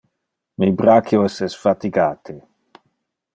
Mi brachios es fatigate.